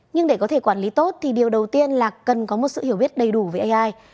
nhưng để có thể quản lý tốt thì điều đầu tiên là cần có một sự hiểu biết đầy đủ về ai